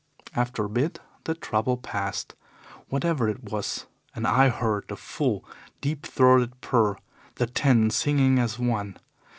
After a bit the trouble passed, whatever it was, and I heard the full, deep throated purr the ten singing as one.